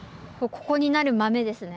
ここになる豆ですね。